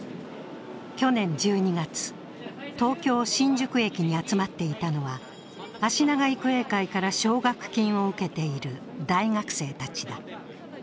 去年１２月、東京・新宿駅に集まっていたのはあしなが育英会から奨学金を受けている大学生たちだ。